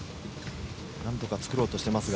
なんとか作ろうとしていますが。